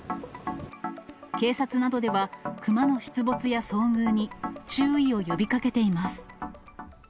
警察などでは、クマの出没や遭遇に注意を呼びかけています。